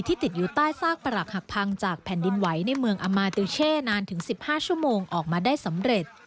ติดอยู่ใต้ซากประหลักหักพังจากแผ่นดินไหวในเมืองอามาติวเช่นานถึง๑๕ชั่วโมงออกมาได้สำเร็จ